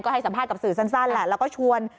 ให้สัมภาษณ์กับสื่อสั้นแหละแล้วก็ชวน